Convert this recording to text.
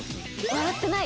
笑ってない。